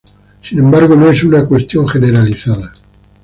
Sin embargo, no es una cuestión generalizada.